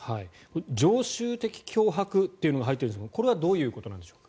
常習的脅迫というものが入っていますがこれはどういうことでしょうか？